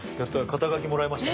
肩書もらいました。